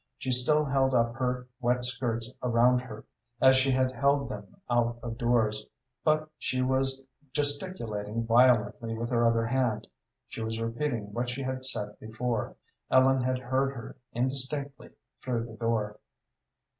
She still held up her wet skirts around her, as she had held them out of doors, but she was gesticulating violently with her other hand. She was repeating what she had said before. Ellen had heard her indistinctly through the door.